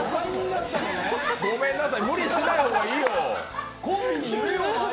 ごめんなさい、無理しない方がいいよ。